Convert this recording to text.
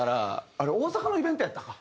あれ大阪のイベントやったか？